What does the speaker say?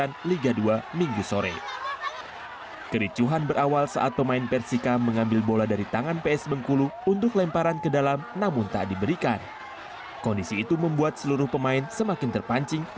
pertandingan sepak bola liga dua antara tuan rumah persika karawang melawan ps bengkulu di stadion singa perbangsa karawang jawa barat berakhir ricuh